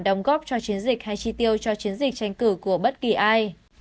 đóng góp cho chiến dịch hay chi tiêu cho chiến dịch tranh cử của bất kỳ ai